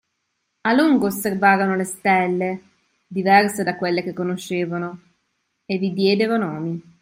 A lungo osservarono le stelle, diverse da quelle che conoscevano, e vi diedero nomi.